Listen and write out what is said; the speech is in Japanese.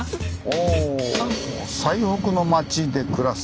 あ「“最北の町”で暮らすとは？」。